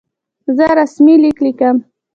زه رسمي لیک لیکم.